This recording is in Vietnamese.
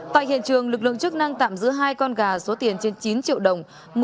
tại hiện trường lực lượng chức năng tạm giữ hai con gà số tiền trên chín triệu đồng